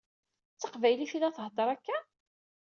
D taqbaylit i la theddeṛ akka?